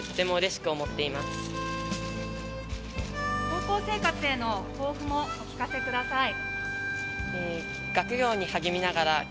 高校生活への抱負もお聞かせください。